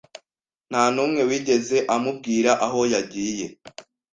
nta n’umwe wigeze amubwira aho yagiye